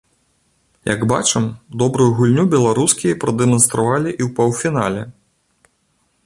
Як бачым, добрую гульню беларускі прадэманстравалі і ў паўфінале.